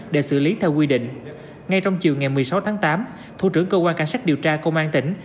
để xử lý theo quy định ngay trong chiều ngày một mươi sáu tháng tám thủ trưởng cơ quan cảnh sát điều tra công an tỉnh